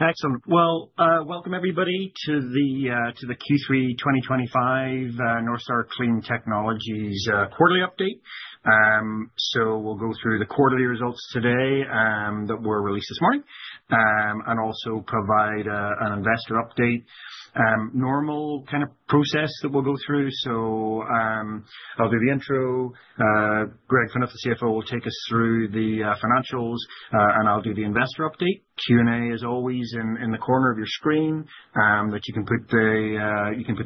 Excellent. Well, welcome everybody to the Q3 2025 Northstar Clean Technologies quarterly update, so we'll go through the quarterly results today that were released this morning, and also provide an investor update, normal kind of process that we'll go through, so I'll do the intro. Greg Fenech, the CFO, will take us through the financials, and I'll do the investor update. Q&A, as always, in the corner of your screen that you can put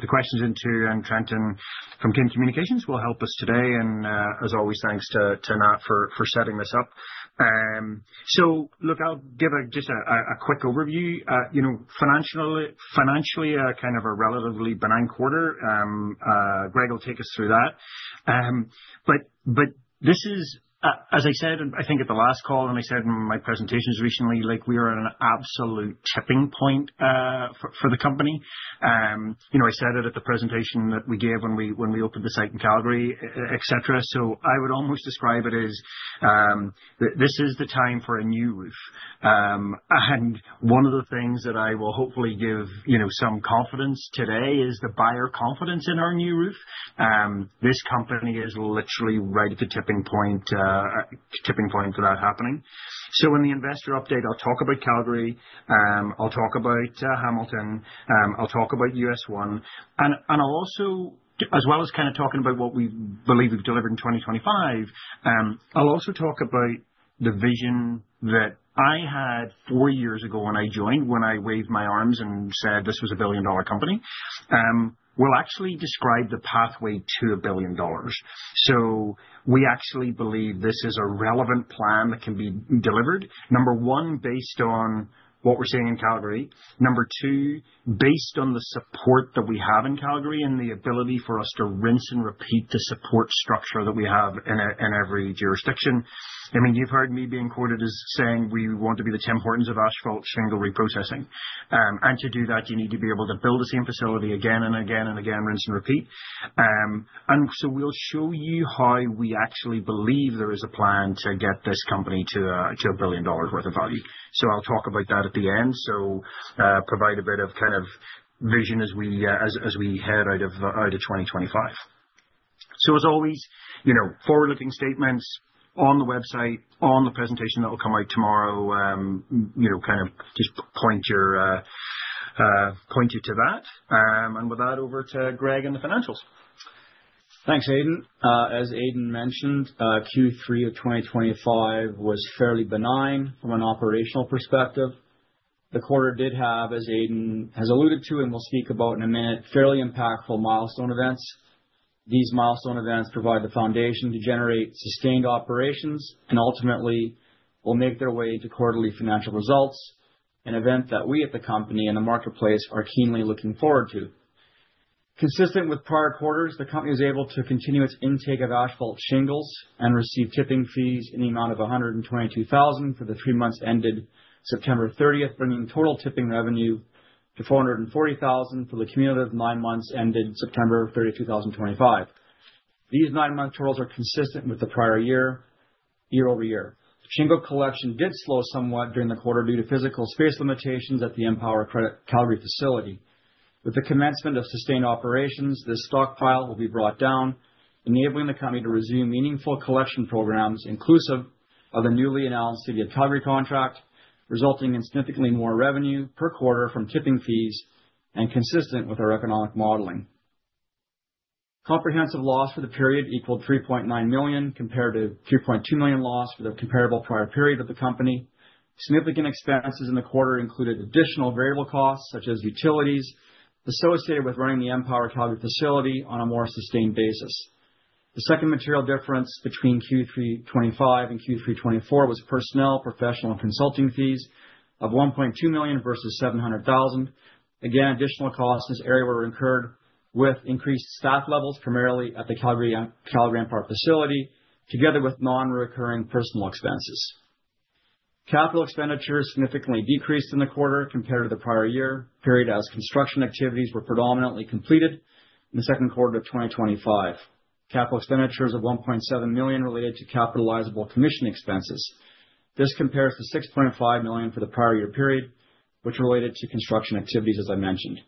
the questions into. And Trenton from Kin Communications will help us today. And, as always, thanks to Nat for setting this up, so look, I'll give just a quick overview. You know, financially, kind of a relatively benign quarter. Greg will take us through that. But this is, as I said, and I think at the last call, and I said in my presentations recently, like, we are at an absolute tipping point for the company. You know, I said it at the presentation that we gave when we opened the site in Calgary, et cetera. So I would almost describe it as that this is the time for a new roof. And one of the things that I will hopefully give, you know, some confidence today is the buyer confidence in our new roof. This company is literally right at the tipping point for that happening. So in the investor update, I'll talk about Calgary. I'll talk about Hamilton. I'll talk about US1. I'll also, as well as kind of talking about what we believe we've delivered in 2025, I'll also talk about the vision that I had four years ago when I joined, when I waved my arms and said this was a billion-dollar company. We'll actually describe the pathway to a billion dollars. We actually believe this is a relevant plan that can be delivered. Number one, based on what we're seeing in Calgary. Number two, based on the support that we have in Calgary and the ability for us to rinse and repeat the support structure that we have in every jurisdiction. I mean, you've heard me being quoted as saying we want to be the Tim Hortons of asphalt shingle reprocessing, and to do that, you need to be able to build the same facility again and again and again, rinse and repeat. And so we'll show you how we actually believe there is a plan to get this company to a billion dollars worth of value. So I'll talk about that at the end. So provide a bit of kind of vision as we head out of 2025. So as always, you know, forward-looking statements on the website, on the presentation that'll come out tomorrow. You know, kind of just point you to that. And with that, over to Greg and the financials. Thanks, Aidan. As Aidan mentioned, Q3 of 2025 was fairly benign from an operational perspective. The quarter did have, as Aidan has alluded to and we'll speak about in a minute, fairly impactful milestone events. These milestone events provide the foundation to generate sustained operations and ultimately will make their way into quarterly financial results, an event that we at the company and the marketplace are keenly looking forward to. Consistent with prior quarters, the company was able to continue its intake of asphalt shingles and receive tipping fees in the amount of 122,000 for the three months ended September 30th, bringing total tipping revenue to 440,000 for the cumulative nine months ended September 30, 2025. These nine-month totals are consistent with the prior year, year over year. Shingle collection did slow somewhat during the quarter due to physical space limitations at the Empower Environmental Calgary facility. With the commencement of sustained operations, this stockpile will be brought down, enabling the company to resume meaningful collection programs, inclusive of the newly announced City of Calgary contract, resulting in significantly more revenue per quarter from tipping fees and consistent with our economic modeling. Comprehensive loss for the period equaled 3.9 million compared to 3.2 million loss for the comparable prior period of the company. Significant expenses in the quarter included additional variable costs such as utilities associated with running the Empower Calgary facility on a more sustained basis. The second material difference between Q3 2025 and Q3 2024 was personnel, professional, and consulting fees of 1.2 million versus 700,000. Again, additional costs in this area were incurred with increased staff levels, primarily at the Calgary Empower facility, together with non-recurring personnel expenses. Capital expenditures significantly decreased in the quarter compared to the prior year period as construction activities were predominantly completed in the second quarter of 2025. Capital expenditures of 1.7 million related to capitalizable commission expenses. This compares to 6.5 million for the prior year period, which related to construction activities, as I mentioned.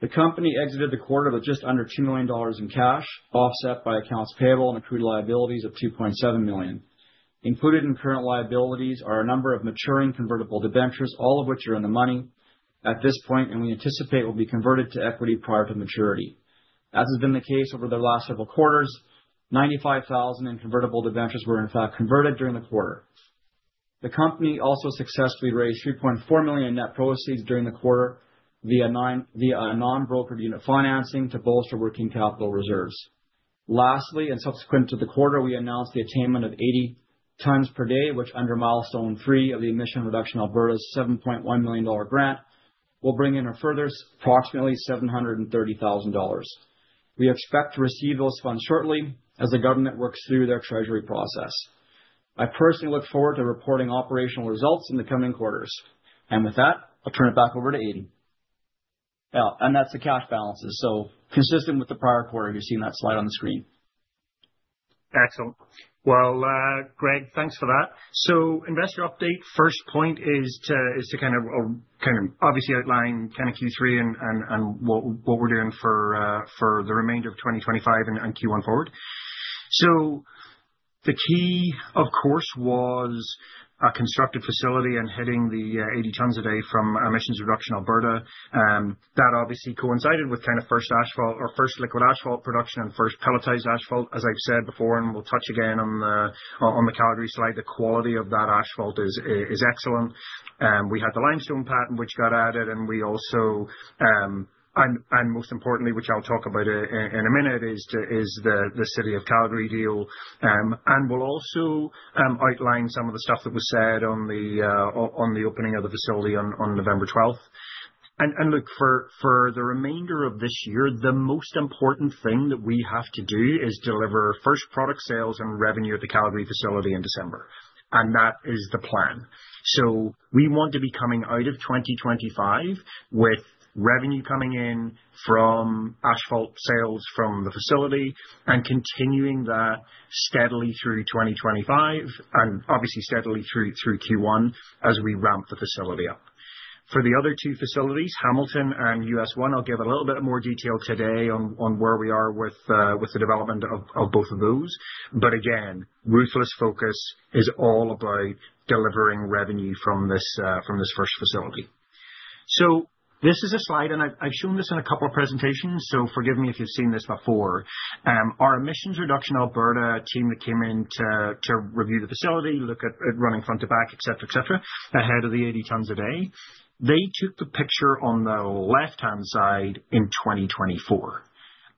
The company exited the quarter with just under 2 million dollars in cash, offset by accounts payable and accrued liabilities of 2.7 million. Included in current liabilities are a number of maturing convertible debentures, all of which are in the money at this point, and we anticipate will be converted to equity prior to maturity. As has been the case over the last several quarters, 95,000 in convertible debentures were in fact converted during the quarter. The company also successfully raised 3.4 million in net proceeds during the quarter via a non-brokered unit financing to bolster working capital reserves. Lastly, and subsequent to the quarter, we announced the attainment of 80 tons per day, which under milestone three of the Emissions Reduction Alberta's 7.1 million dollar grant will bring in a further approximately 730,000 dollars. We expect to receive those funds shortly as the government works through their treasury process. I personally look forward to reporting operational results in the coming quarters. And with that, I'll turn it back over to Aidan. Oh, and that's the cash balances. So consistent with the prior quarter, you've seen that slide on the screen. Excellent. Well, Greg, thanks for that. So investor update, first point is to kind of obviously outline kind of Q3 and what we're doing for the remainder of 2025 and Q1 forward. So the key, of course, was a constructed facility and hitting the 80 tons a day from Emissions Reduction Alberta. That obviously coincided with kind of first asphalt or first liquid asphalt production and first pelletized asphalt, as I've said before, and we'll touch again on the Calgary slide. The quality of that asphalt is excellent. We had the limestone patent, which got added, and most importantly, which I'll talk about in a minute, is the City of Calgary deal. And we'll also outline some of the stuff that was said on the opening of the facility on November 12th. And look, for the remainder of this year, the most important thing that we have to do is deliver first product sales and revenue at the Calgary facility in December. And that is the plan. So we want to be coming out of 2025 with revenue coming in from asphalt sales from the facility and continuing that steadily through 2025, and obviously steadily through Q1 as we ramp the facility up. For the other two facilities, Hamilton and US1, I'll give a little bit more detail today on where we are with the development of both of those. But again, ruthless focus is all about delivering revenue from this first facility. So this is a slide, and I've shown this in a couple of presentations, so forgive me if you've seen this before. Our Emissions Reduction Alberta team that came in to review the facility, look at running front to back, et cetera, et cetera, ahead of the 80 tons a day. They took the picture on the left-hand side in 2024,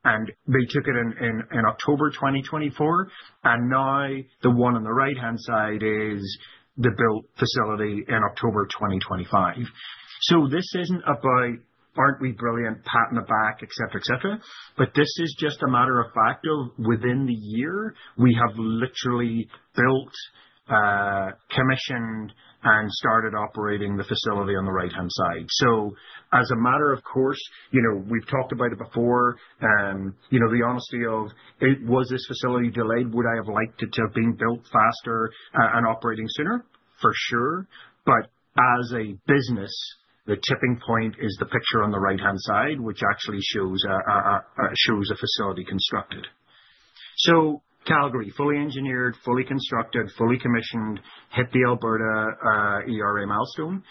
and they took it in October 2024. Now the one on the right-hand side is the built facility in October 2025. This isn't about, aren't we brilliant, pat on the back, et cetera, et cetera, but this is just a matter of fact of within the year we have literally built, commissioned, and started operating the facility on the right-hand side. As a matter of course, you know, we've talked about it before. You know, the honesty of it was this facility delayed. Would I have liked it to have been built faster and operating sooner? For sure. But as a business, the tipping point is the picture on the right-hand side, which actually shows a facility constructed. So Calgary, fully engineered, fully constructed, fully commissioned, hit the Alberta ERA milestone.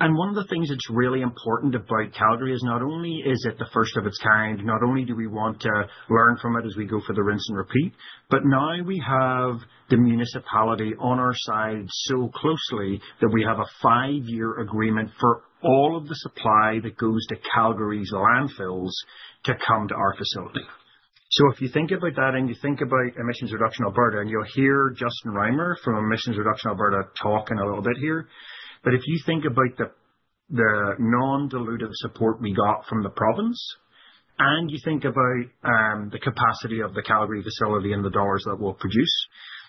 And one of the things that's really important about Calgary is not only is it the first of its kind, not only do we want to learn from it as we go for the rinse and repeat, but now we have the municipality on our side so closely that we have a five-year agreement for all of the supply that goes to Calgary's landfills to come to our facility. If you think about that and you think about Emissions Reduction Alberta, and you'll hear Justin Riemer from Emissions Reduction Alberta talking a little bit here, but if you think about the non-dilutive support we got from the province and you think about the capacity of the Calgary facility and the dollars that we'll produce,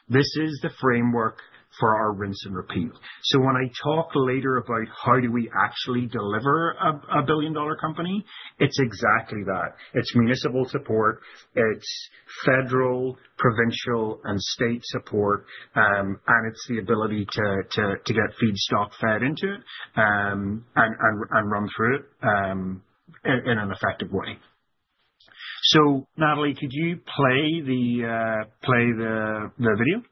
this is the framework for our rinse and repeat. When I talk later about how do we actually deliver a billion-dollar company, it's exactly that. It's municipal support, it's federal, provincial, and state support, and it's the ability to get feedstock fed into it, and run through it, in an effective way. Natalie, could you play the video?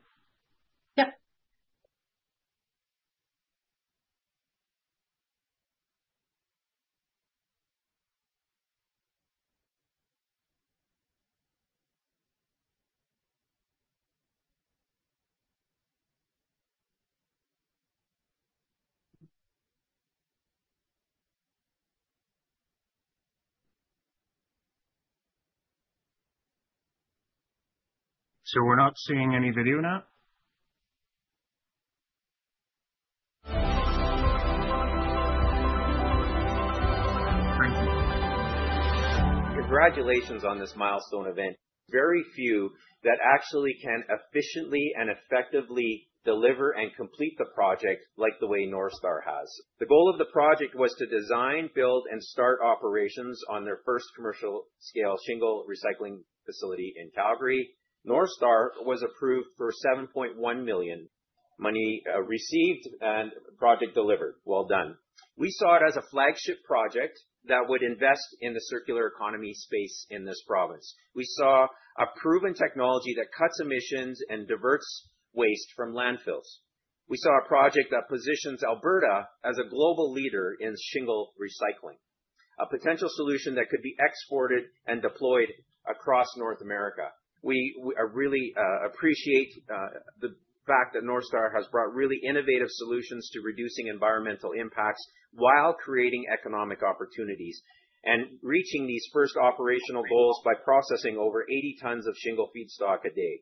Yep. We're not seeing any video now? Thank you. Congratulations on this milestone event. Very few that actually can efficiently and effectively deliver and complete the project like the way Northstar has. The goal of the project was to design, build, and start operations on their first commercial scale shingle recycling facility in Calgary. Northstar was approved for 7.1 million money, received and project delivered. Well done. We saw it as a flagship project that would invest in the circular economy space in this province. We saw a proven technology that cuts emissions and diverts waste from landfills. We saw a project that positions Alberta as a global leader in shingle recycling, a potential solution that could be exported and deployed across North America. We really appreciate the fact that Northstar has brought really innovative solutions to reducing environmental impacts while creating economic opportunities and reaching these first operational goals by processing over 80 tons of shingle feedstock a day,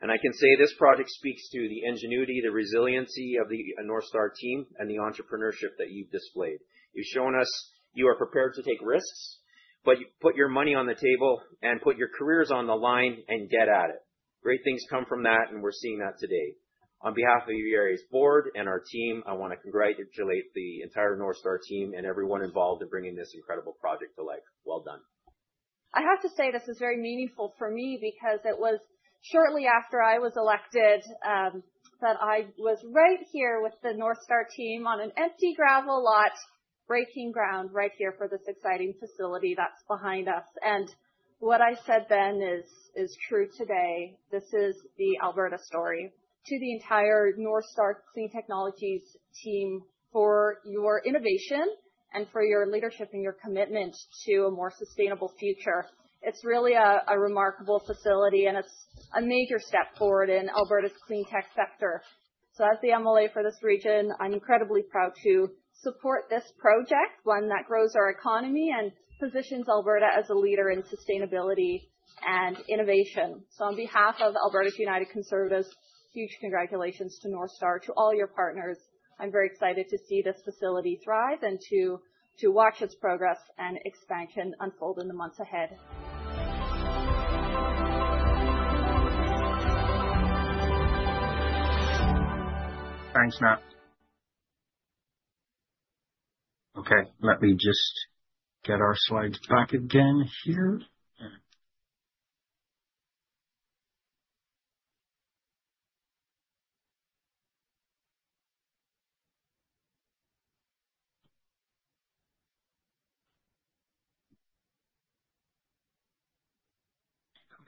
and I can say this project speaks to the ingenuity, the resiliency of the Northstar team, and the entrepreneurship that you've displayed. You've shown us you are prepared to take risks, but you put your money on the table and put your careers on the line and get at it. Great things come from that, and we're seeing that today. On behalf of the ERA's board and our team, I wanna congratulate the entire Northstar team and everyone involved in bringing this incredible project to life. Well done. I have to say this is very meaningful for me because it was shortly after I was elected, that I was right here with the Northstar team on an empty gravel lot breaking ground right here for this exciting facility that's behind us. And what I said then is true today. This is the Alberta story to the entire Northstar Clean Technologies team for your innovation and for your leadership and your commitment to a more sustainable future. It's really a remarkable facility, and it's a major step forward in Alberta's clean tech sector. So as the MLA for this region, I'm incredibly proud to support this project, one that grows our economy and positions Alberta as a leader in sustainability and innovation. So on behalf of Alberta's United Conservatives, huge congratulations to Northstar, to all your partners. I'm very excited to see this facility thrive and to watch its progress and expansion unfold in the months ahead. Thanks, Nat. Okay, let me just get our slides back again here.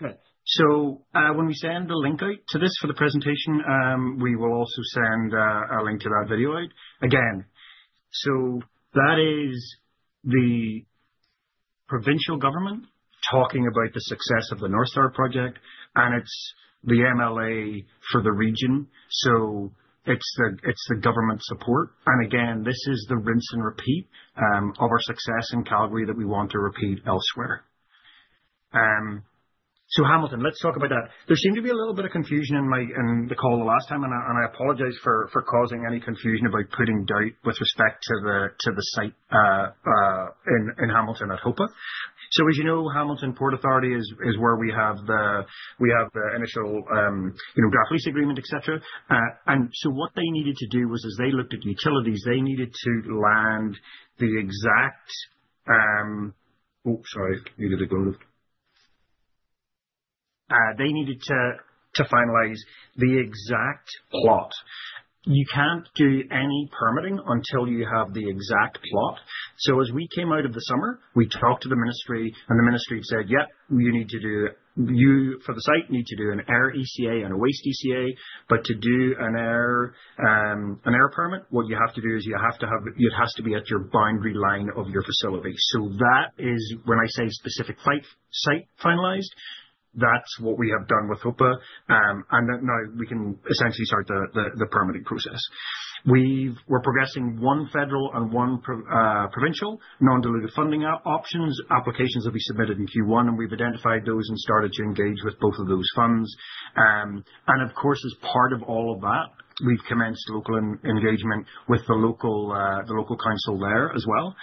Okay, so when we send the link out to this for the presentation, we will also send a link to that video out again. So that is the provincial government talking about the success of the Northstar project, and it's the MLA for the region. So it's the government support. And again, this is the rinse and repeat of our success in Calgary that we want to repeat elsewhere. So, Hamilton, let's talk about that. There seemed to be a little bit of confusion in the call the last time, and I apologize for causing any confusion about putting doubt with respect to the site in Hamilton at HOPA. So as you know, Hamilton Port Authority is where we have the initial, you know, ground lease agreement, et cetera. And so what they needed to do was, as they looked at utilities, they needed to finalize the exact plot. You can't do any permitting until you have the exact plot. So as we came out of the summer, we talked to the ministry, and the ministry said, yep, you need to do an Air ECA and a Waste ECA for the site, but to do an air permit, what you have to do is have it at your boundary line of your facility. So that is when I say specific site finalized, that's what we have done with HOPA. And then now we can essentially start the permitting process. We're progressing one federal and one provincial non-dilutive funding options. Applications will be submitted in Q1, and we've identified those and started to engage with both of those funds. And of course, as part of all of that, we've commenced local engagement with the local council there as well,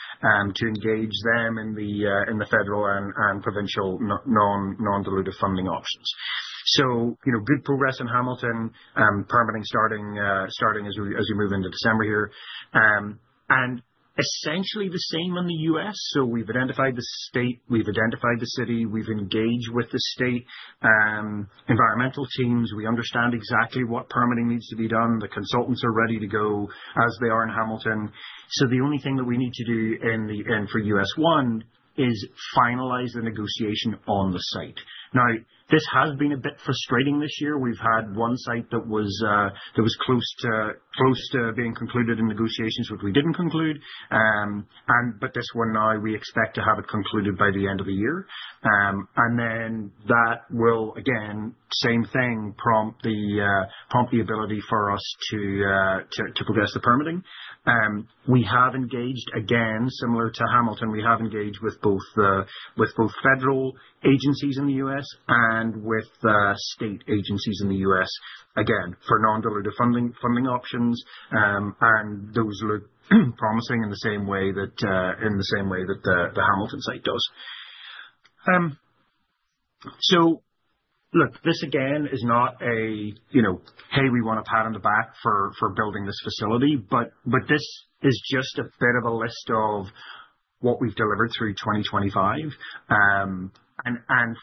to engage them in the federal and provincial non-dilutive funding options. So, you know, good progress in Hamilton, permitting starting as we move into December here. And essentially the same in the U.S. So we've identified the state, we've identified the city, we've engaged with the state environmental teams. We understand exactly what permitting needs to be done. The consultants are ready to go as they are in Hamilton. The only thing that we need to do in for US1 is finalize the negotiation on the site. Now, this has been a bit frustrating this year. We've had one site that was close to being concluded in negotiations, which we didn't conclude. But this one now we expect to have it concluded by the end of the year. Then that will again, same thing, prompt the ability for us to progress the permitting. We have engaged again, similar to Hamilton, with both federal agencies in the U.S. and state agencies in the U.S. again for non-dilutive funding options. Those look promising in the same way that the Hamilton site does. So look, this again is not a, you know, hey, we want a pat on the back for building this facility, but this is just a bit of a list of what we've delivered through 2025.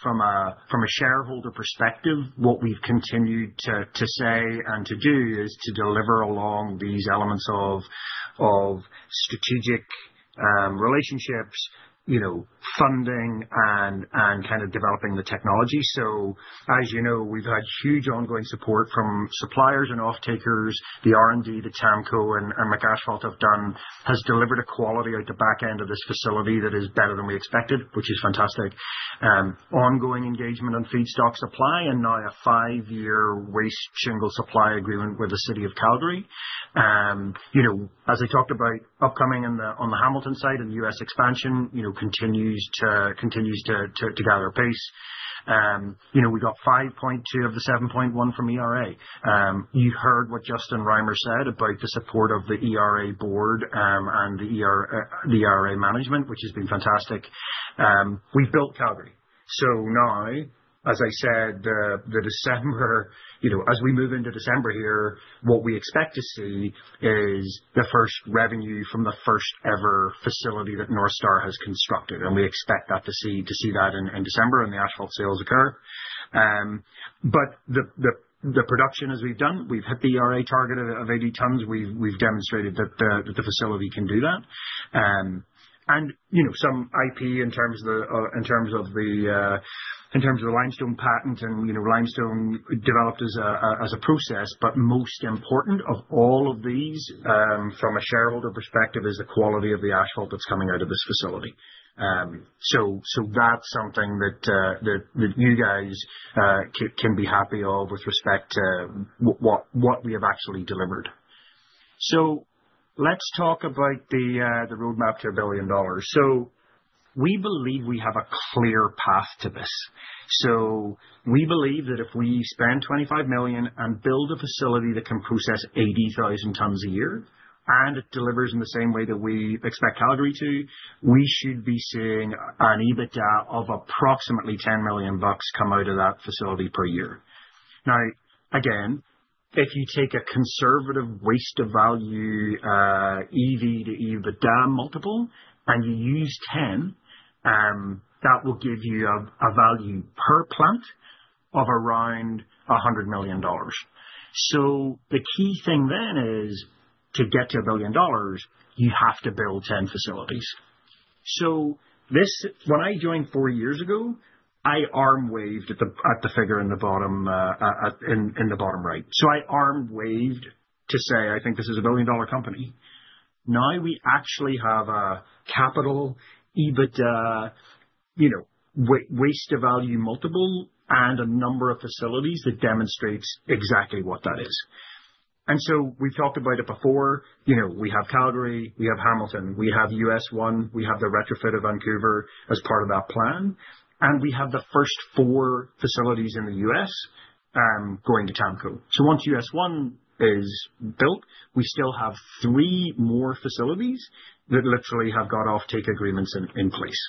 From a shareholder perspective, what we've continued to say and to do is to deliver along these elements of strategic relationships, you know, funding and kind of developing the technology. So as you know, we've had huge ongoing support from suppliers and off-takers. The R&D the TAMKO and McAsphalt have done has delivered a quality at the back end of this facility that is better than we expected, which is fantastic. Ongoing engagement on feedstock supply and now a five-year waste shingle supply agreement with the City of Calgary. You know, as I talked about upcoming in the, on the Hamilton side and U.S. expansion, you know, continues to gather pace. You know, we got 5.2 of the 7.1 from ERA. You heard what Justin Riemer said about the support of the ERA board, and the ERA management, which has been fantastic. We've built Calgary. So now, as I said, the December, you know, as we move into December here, what we expect to see is the first revenue from the first ever facility that Northstar has constructed. We expect to see that in December when the asphalt sales occur. But the production as we've done, we've hit the ERA target of 80 tons. We've demonstrated that the facility can do that. And you know, some IP in terms of the limestone patent and, you know, limestone developed as a process, but most important of all of these, from a shareholder perspective, is the quality of the asphalt that's coming out of this facility. That's something that you guys can be happy of with respect to what we have actually delivered. Let's talk about the roadmap to a billion dollars. We believe we have a clear path to this. We believe that if we spend 25 million and build a facility that can process 80,000 tons a year and it delivers in the same way that we expect Calgary to, we should be seeing an EBITDA of approximately 10 million bucks come out of that facility per year. Now, again, if you take a conservative waste-to-value EV to EBITDA multiple and you use 10, that will give you a value per plant of around 100 million dollars. So the key thing then is to get to 1 billion dollars, you have to build 10 facilities. So this, when I joined four years ago, I arm waved at the figure in the bottom right. So I arm waved to say, I think this is a 1 billion dollar company. Now we actually have a capital EBITDA, you know, waste-to-value multiple and a number of facilities that demonstrates exactly what that is. And so we've talked about it before, you know, we have Calgary, we have Hamilton, we have US1, we have the retrofit of Vancouver as part of that plan, and we have the first four facilities in the US, going to TAMKO. So once US1 is built, we still have three more facilities that literally have got off-take agreements in place.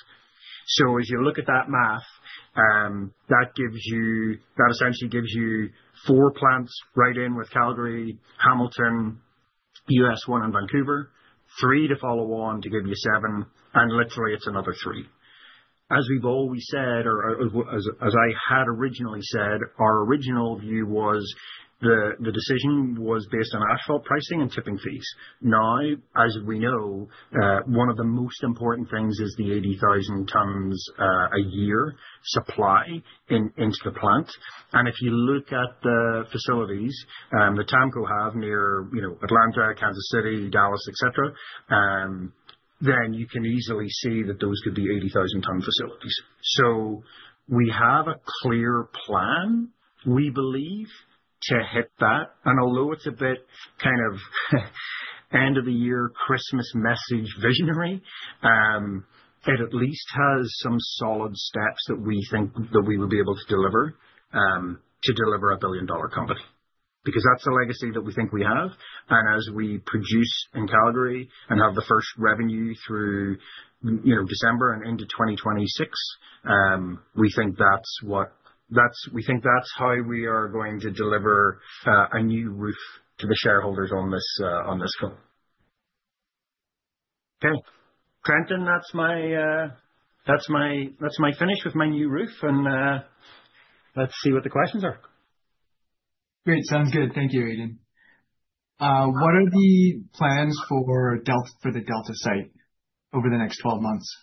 So as you look at that math, that gives you, that essentially gives you four plants right in with Calgary, Hamilton, US1, and Vancouver, three to follow on to give you seven, and literally it's another three. As we've always said, or as I had originally said, our original view was the decision was based on asphalt pricing and tipping fees. Now, as we know, one of the most important things is the 80,000 tons a year supply into the plant. If you look at the facilities that TAMKO have near, you know, Atlanta, Kansas City, Dallas, et cetera, then you can easily see that those could be 80,000-ton facilities. We have a clear plan, we believe, to hit that. Although it's a bit kind of end of the year Christmas message visionary, it at least has some solid steps that we think that we would be able to deliver, to deliver a $1 billion company because that's a legacy that we think we have. As we produce in Calgary and have the first revenue through, you know, December and into 2026, we think that's what, we think that's how we are going to deliver a new roof to the shareholders on this, on this firm. Okay, Trenton, that's my finish with my new roof, and let's see what the questions are. Great. Sounds good. Thank you, Aidan. What are the plans for Delta, for the Delta site over the next 12 months?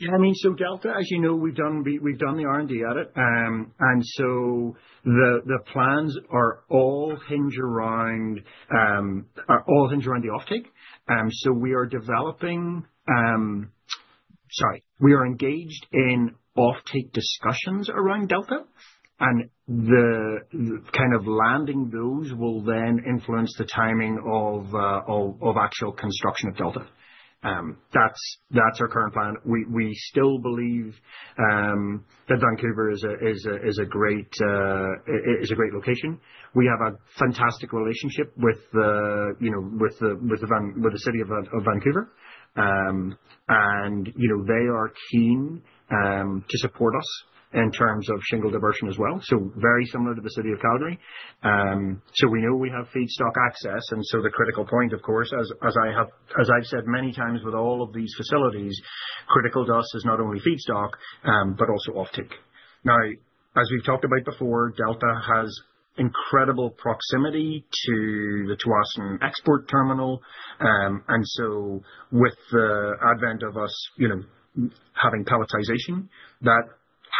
Yeah, I mean, so Delta, as you know, we've done the R&D at it. The plans all hinge around the off-take. We are engaged in off-take discussions around Delta, and the kind of landing those will then influence the timing of actual construction of Delta. That's our current plan. We still believe that Vancouver is a great location. We have a fantastic relationship with the, you know, with the City of Vancouver. You know, they are keen to support us in terms of shingle diversion as well. Very similar to the city of Calgary. We know we have feedstock access. And so the critical point, of course, as, as I have, as I've said many times with all of these facilities, critical to us is not only feedstock, but also off-take. Now, as we've talked about before, Delta has incredible proximity to the Tsawwassen export terminal. And so with the advent of us, you know, having pelletization, that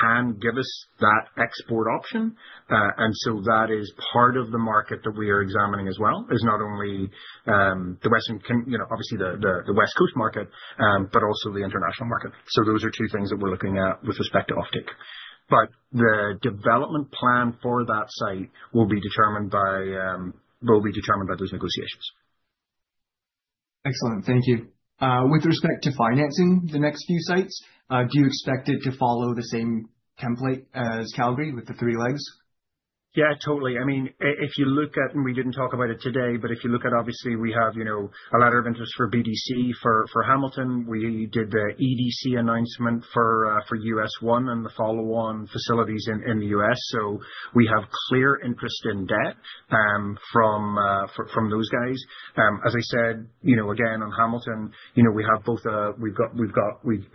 can give us that export option. And so that is part of the market that we are examining as well is not only the western, you know, obviously the West Coast market, but also the international market. So those are two things that we're looking at with respect to off-take. But the development plan for that site will be determined by those negotiations. Excellent. Thank you. With respect to financing the next few sites, do you expect it to follow the same template as Calgary with the three legs? Yeah, totally. I mean, if you look at, and we didn't talk about it today, but if you look at, obviously we have, you know, a letter of interest for BDC for Hamilton. We did the EDC announcement for US1 and the follow on facilities in the US. So we have clear interest in debt from those guys. As I said, you know, again, on Hamilton, you know, we have both, we've got, we've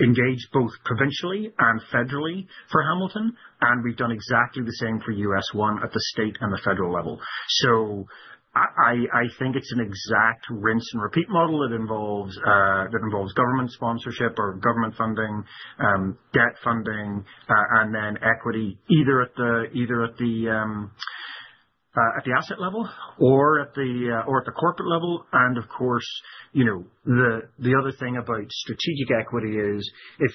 engaged both provincially and federally for Hamilton, and we've done exactly the same for US1 at the state and the federal level. So I think it's an exact rinse and repeat model that involves government sponsorship or government funding, debt funding, and then equity either at the asset level or at the corporate level. And of course, you know, the other thing about strategic equity is if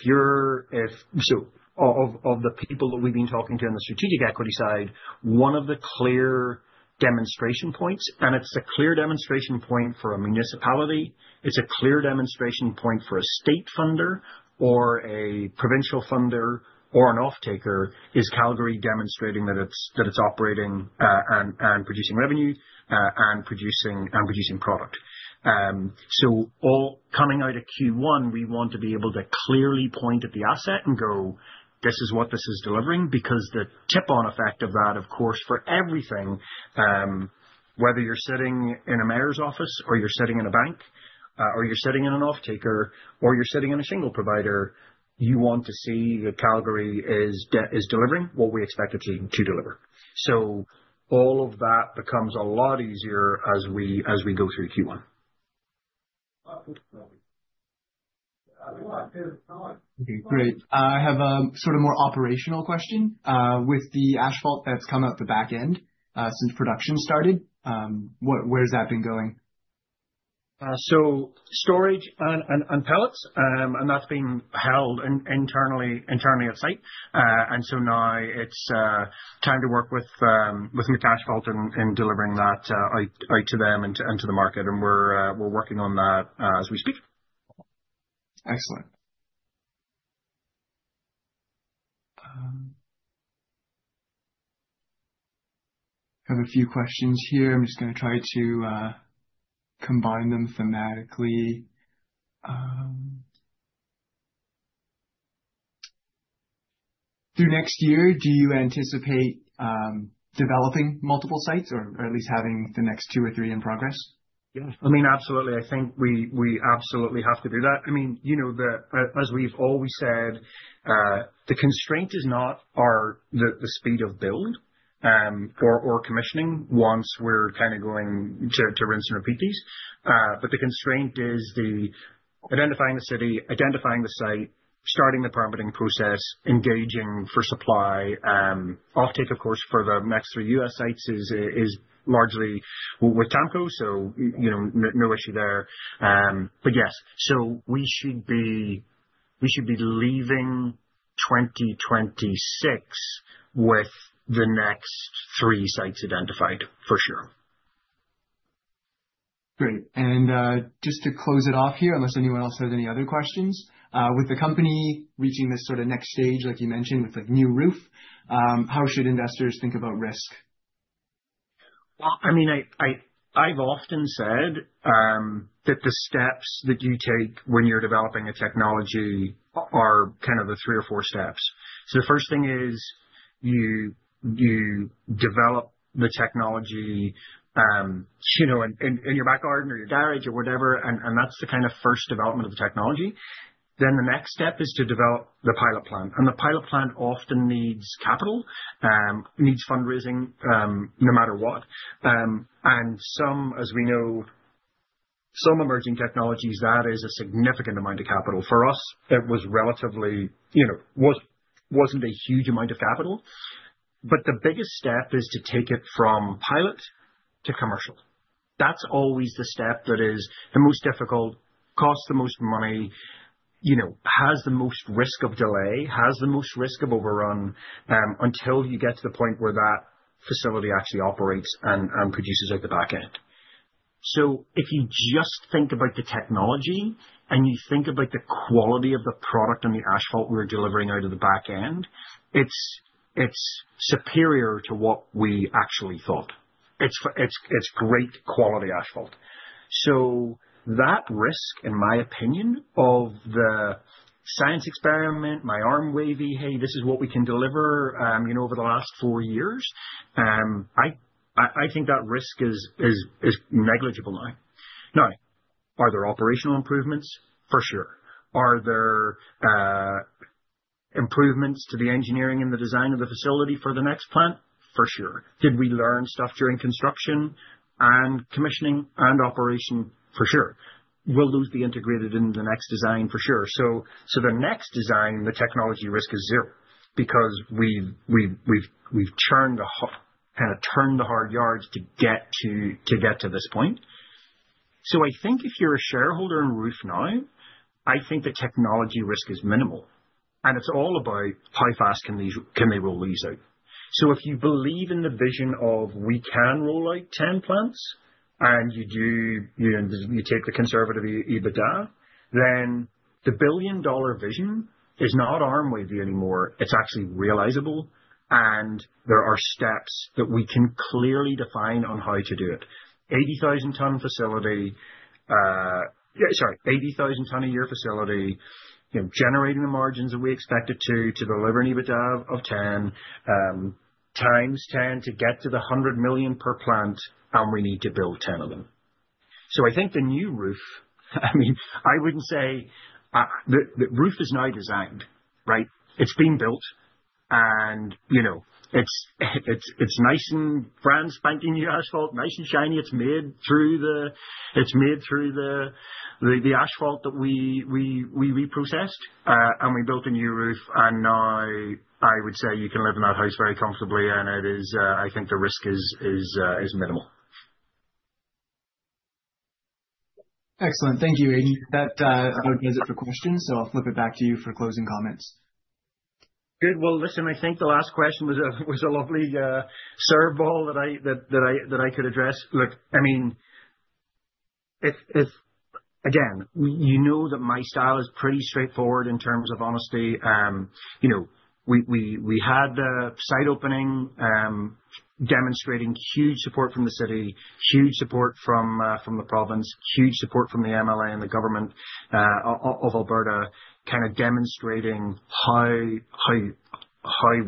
so, of the people that we've been talking to on the strategic equity side, one of the clear demonstration points, and it's a clear demonstration point for a municipality, it's a clear demonstration point for a state funder or a provincial funder or an off-taker is Calgary demonstrating that it's operating, and producing revenue, and producing product. So all coming out of Q1, we want to be able to clearly point at the asset and go, this is what this is delivering because the ripple effect of that, of course, for everything, whether you're sitting in a mayor's office or you're sitting in a bank, or you're sitting in an off-taker or you're sitting in a shingle provider, you want to see that Calgary is delivering what we expect it to deliver. All of that becomes a lot easier as we go through Q1. Okay. Great. I have a sort of more operational question, with the asphalt that's come out the back end, since production started. What, where's that been going? So storage and pallets, and that's been held internally at site, and so now it's time to work with McAsphalt in delivering that out to them and to the market, and we're working on that as we speak. Excellent. I have a few questions here. I'm just gonna try to combine them thematically. Through next year, do you anticipate developing multiple sites or at least having the next two or three in progress? Yeah, I mean, absolutely. I think we absolutely have to do that. I mean, you know, as we've always said, the constraint is not the speed of build, or commissioning once we're kind of going to rinse and repeat these. But the constraint is identifying the city, identifying the site, starting the permitting process, engaging for supply off-take. Of course, for the next three U.S. sites is largely with TAMKO. So, you know, no issue there. But yes, so we should be leaving 2026 with the next three sites identified for sure. Great. And, just to close it off here, unless anyone else has any other questions, with the company reaching this sort of next stage, like you mentioned with like new roof, how should investors think about risk? I mean, I've often said that the steps that you take when you're developing a technology are kind of the three or four steps. So the first thing is you develop the technology, you know, in your backyard or your garage or whatever. And that's the kind of first development of the technology. Then the next step is to develop the pilot plan. And the pilot plan often needs capital, needs fundraising, no matter what. And some, as we know, some emerging technologies, that is a significant amount of capital. For us, it was relatively, you know, wasn't a huge amount of capital. But the biggest step is to take it from pilot to commercial. That's always the step that is the most difficult, costs the most money, you know, has the most risk of delay, has the most risk of overrun, until you get to the point where that facility actually operates and produces at the back end. So if you just think about the technology and you think about the quality of the product and the asphalt we're delivering out of the back end, it's great quality asphalt. So that risk, in my opinion, of the science experiment, my arm wavy, hey, this is what we can deliver, you know, over the last four years. I think that risk is negligible now. Now, are there operational improvements? For sure. Are there improvements to the engineering and the design of the facility for the next plant? For sure. Did we learn stuff during construction and commissioning and operation? For sure. We'll lose the integrator in the next design for sure. So the next design, the technology risk is zero because we've kind of turned the hard yards to get to this point. So I think if you're a shareholder in Northstar now, I think the technology risk is minimal. And it's all about how fast can they roll these out? So if you believe in the vision of we can roll out 10 plants and you do, you know, you take the conservative EBITDA, then the $1 billion vision is not hand-wavy anymore. It's actually realizable. And there are steps that we can clearly define on how to do it. 80,000-ton facility, sorry, 80,000-ton-a-year facility, you know, generating the margins that we expect it to deliver an EBITDA of 10, times 10 to get to the 100 million per plant, and we need to build 10 of them. I think the new roof, I mean, I wouldn't say the roof is now designed, right? It's been built and, you know, it's nice and brand spanking new asphalt, nice and shiny. It's made through the asphalt that we reprocessed, and we built a new roof. Now I would say you can live in that house very comfortably. It is, I think the risk is minimal. Excellent. Thank you, Aidan. That would be it for questions. So I'll flip it back to you for closing comments. Good. Well, listen, I think the last question was a lovely serviceable that I could address. Look, I mean, if again, you know that my style is pretty straightforward in terms of honesty. You know, we had the site opening, demonstrating huge support from the city, huge support from the province, huge support from the MLA and the Government of Alberta, kind of demonstrating how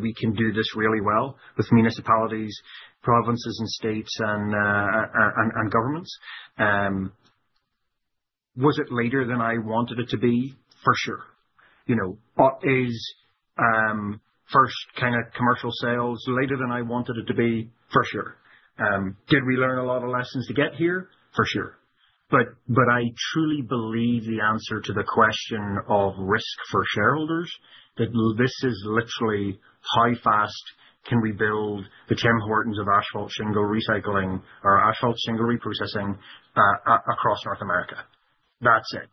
we can do this really well with municipalities, provinces and states and governments. Was it later than I wanted it to be? For sure. You know, is first kind of commercial sales later than I wanted it to be? For sure. Did we learn a lot of lessons to get here? For sure. I truly believe the answer to the question of risk for shareholders that this is literally how fast can we build the Tim Hortons of asphalt shingle recycling or asphalt shingle reprocessing across North America? That's it.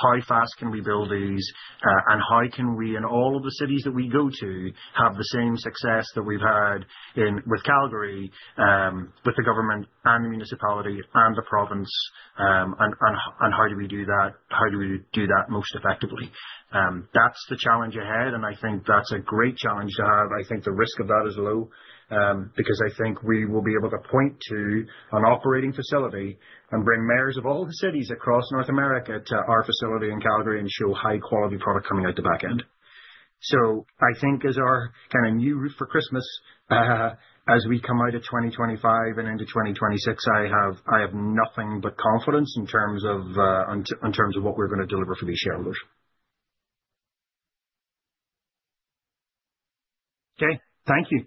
How fast can we build these, and how can we in all of the cities that we go to have the same success that we've had in Calgary with the government and the municipality and the province? How do we do that? How do we do that most effectively? That's the challenge ahead. I think that's a great challenge to have. I think the risk of that is low, because I think we will be able to point to an operating facility and bring mayors of all the cities across North America to our facility in Calgary and show high quality product coming out the back end. So I think as our kind of new roof for Christmas, as we come out of 2025 and into 2026, I have, I have nothing but confidence in terms of, in terms of what we're gonna deliver for these shareholders. Okay. Thank you.